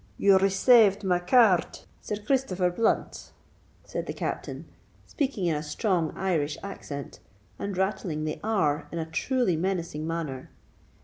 "You resayved my car r d, Sir Christopher Blunt?" said the Captain, speaking in a strong Irish accent, and rattling the r in a truly menacing manner.